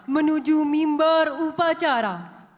menuju mimbar upacara